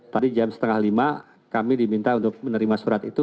tadi jam setengah lima kami diminta untuk menerima surat itu